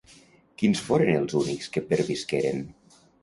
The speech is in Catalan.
Quins foren els únics que pervisqueren?